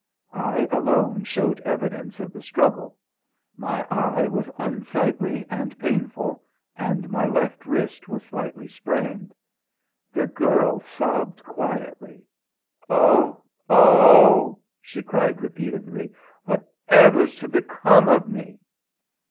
I alone showed evidence of the struggle; my eye was unsightly and painful, and my left wrist was slightly sprained. The girl sobbed quietly. "Oh! Oh!" she cried repeatedly, "whatever's to become of me!"